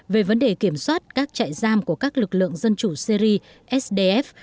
về vấn đề kiểm soát các trại giam của các lực lượng dân chủ syri sdf